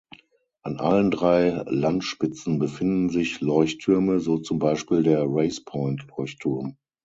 An allen drei Landspitzen befinden sich Leuchttürme, so zum Beispiel der Race-Point-Leuchtturm.